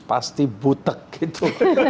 pasti butek gitu